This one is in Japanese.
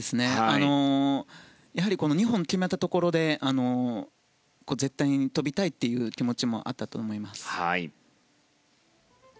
やはり２本決めたところで絶対に跳びたいという気持ちもあったと思います。